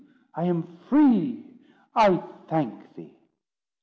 I am free! I thank thee!"